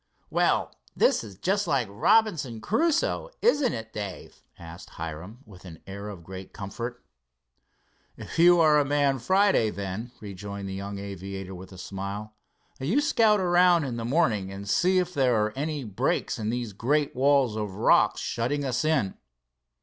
"Well, this is just like Robinson Crusoe, isn't it, Dave?" asked Hiram, with an air of great comfort. "If you are a man Friday, then," rejoined the young aviator with a smile, "you scout around in the morning and see if there are any breaks in these great walls of rock shutting us in."